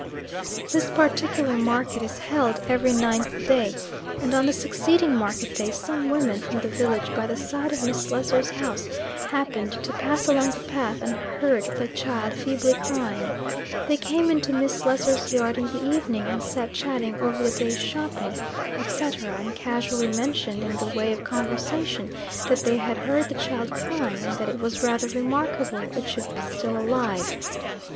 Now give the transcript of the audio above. This particular market is held every ninth day, and on the succeeding market day some women from the village by the side of Miss Slessor's house happened to pass along the path and heard the child feebly crying: they came into Miss Slessor's yard in the evening, and sat chatting over the day's shopping, etc., and casually mentioned in the way of conversation that they had heard the child crying, and that it was rather remarkable it should be still alive.